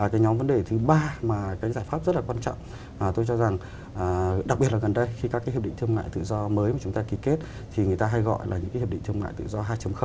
cái nhóm vấn đề thứ ba mà cái giải pháp rất là quan trọng tôi cho rằng đặc biệt là gần đây khi các cái hiệp định thương mại tự do mới mà chúng ta ký kết thì người ta hay gọi là những cái hiệp định thương mại tự do hai